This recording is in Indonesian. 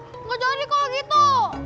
nggak jadi kok gitu